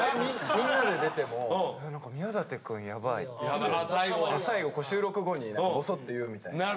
みんなで出ても「何か宮舘くんやばい」って最後収録後にぼそっと言うみたいな。